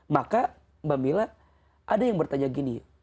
maka mbak mila ada yang bertanya gini